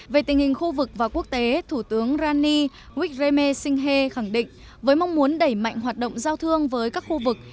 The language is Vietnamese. về tình hình khu vực và quốc tế thủ tướng rani wikheme singhe khẳng định với mong muốn đẩy mạnh hoạt động giao thương với các khu vực